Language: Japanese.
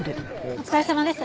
お疲れさまです。